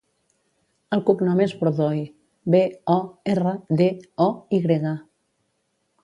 El cognom és Bordoy: be, o, erra, de, o, i grega.